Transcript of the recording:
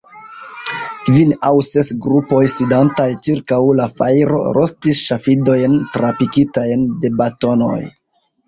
Kvin aŭ ses grupoj, sidantaj ĉirkaŭ la fajro, rostis ŝafidojn trapikitajn de bastonoj.